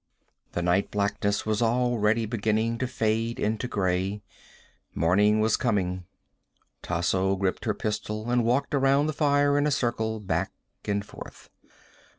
The night blackness was already beginning to fade into gray. Morning was coming. Tasso gripped her pistol and walked around the fire in a circle, back and forth.